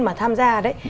mà tham gia đấy